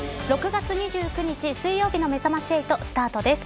６月２９日水曜日のめざまし８スタートです。